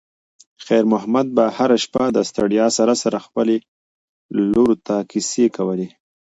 خیر محمد به هره شپه د ستړیا سره سره خپلې لور ته کیسې کولې.